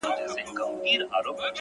زما د دوو سترگو ډېوو درپسې ژاړم _